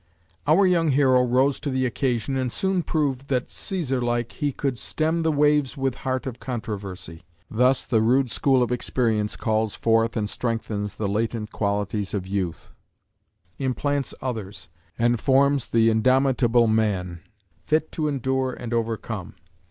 Our young hero rose to the occasion and soon proved that, Cæsar like, he could "stem the waves with heart of controversy." Thus the rude school of experience calls forth and strengthens the latent qualities of youth, implants others, and forms the indomitable man, fit to endure and overcome.